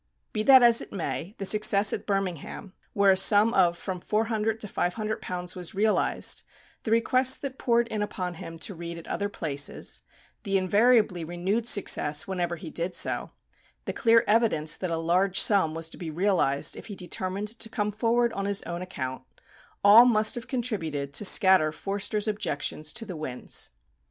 Be that as it may, the success at Birmingham, where a sum of from £400 to £500 was realized, the requests that poured in upon him to read at other places, the invariably renewed success whenever he did so, the clear evidence that a large sum was to be realized if he determined to come forward on his own account, all must have contributed to scatter Forster's objections to the winds.